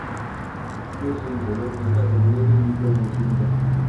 丽笙酒店集团在中国内地亦拥有经营点。